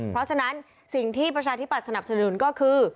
เพราะฉะนั้นสิ่งที่ประชาธิบัตสนับสนุนก็คือ